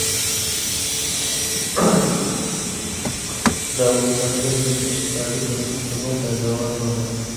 دا اوس څرګنده شوه چې طالب د پښتنو پيداوار نه دی.